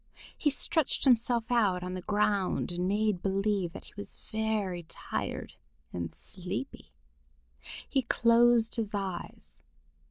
He stretched himself out on the ground and made believe that he was very tired and sleepy. He closed his eyes.